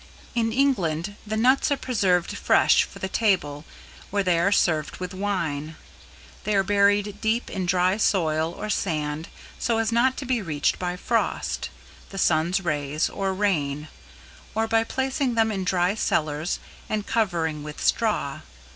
In England the nuts are preserved fresh for the table where they are served with wine. They are buried deep in dry soil or sand so as not to be reached by frost, the sun's rays or rain; or by placing them in dry cellars and covering with straw.